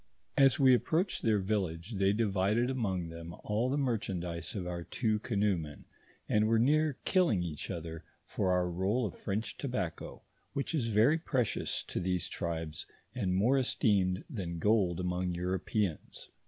As we approached their village, they divided among them all the merchandise of our two canoemen, and were near kill ing each other for our roll of French tobacco, which is very precious to these tribes, and more esteemed than gold among Europeans.